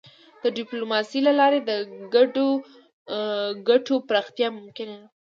د ډيپلوماسی له لارې د ګډو ګټو پراختیا ممکنه ده.